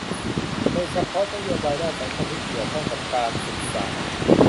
โดยเฉพาะนโยบายด้านสังคมที่เกี่ยวข้องกับการศึกษา